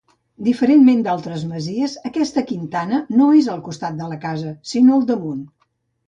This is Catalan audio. Diferentment d'altres masies, aquesta quintana no és al costat de la casa, sinó al damunt.